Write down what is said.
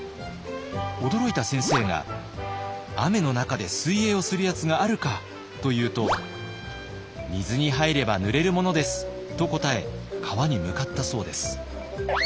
驚いた先生が「雨の中で水泳をするやつがあるか」と言うと「水に入ればぬれるものです」と答え川に向かったそうです。